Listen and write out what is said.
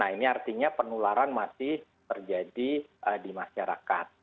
nah ini artinya penularan masih terjadi di masyarakat